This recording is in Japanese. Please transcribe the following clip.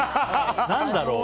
何だろう？